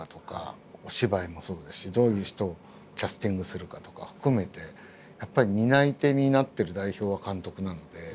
お芝居もそうだしどういう人をキャスティングするかとか含めてやっぱり担い手になってる代表は監督なので。